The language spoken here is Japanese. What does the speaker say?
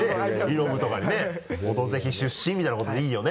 「オドぜひ」出身みたいなことでいいよね？